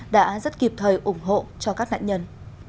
đã rất kịp thời ủng hộ cho các nạn nhân